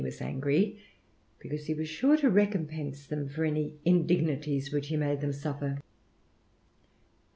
was angry, because he was sure to recompense them for any indignities which he made them suffer.